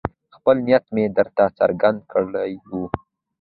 خپل نیت مې درته څرګند کړی وو.